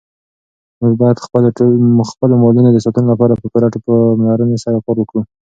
موږ باید د خپلو مالونو د ساتنې لپاره په پوره پاملرنې سره کار وکړو.